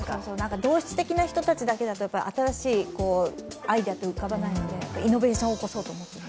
同質的な人だけだと、新しいアイデアって浮かばないのでイノベーションを起こさないと。